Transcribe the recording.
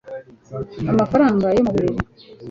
amafaranga yo mu buriri